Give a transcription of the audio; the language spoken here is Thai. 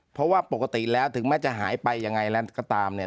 เพราะว่าปกติแล้วถึงแม้จะหายไปยังไงแล้วก็ตามเนี่ย